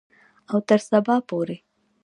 او تر سبا پورې.